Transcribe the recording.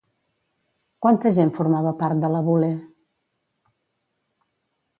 Quanta gent formava part de la Boulé?